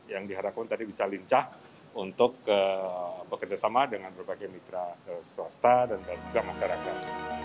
yang diharapkan tadi bisa lincah untuk bekerjasama dengan berbagai mitra swasta dan juga masyarakat